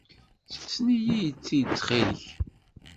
Ssisen-iyi-tt-id ttxil-k.